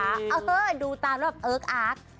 อ่าเฮ้ยดูตามแบบเอิ๊กอาร์ก